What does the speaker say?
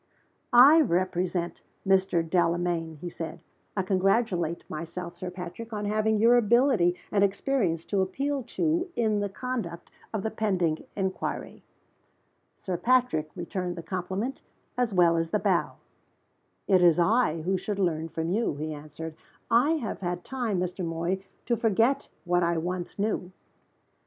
"I represent Mr. Delamayn," he said. "I congratulate myself, Sir Patrick, on having your ability and experience to appeal to in the conduct of the pending inquiry." Sir Patrick returned the compliment as well as the bow. "It is I who should learn from you," he answered. "I have had time, Mr. Moy, to forget what I once knew."